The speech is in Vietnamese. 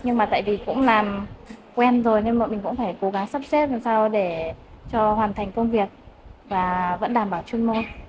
nhưng mà tại vì cũng làm quen rồi nên mọi mình cũng phải cố gắng sắp xếp làm sao để cho hoàn thành công việc và vẫn đảm bảo chuyên môn